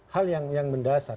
hal yang mendasar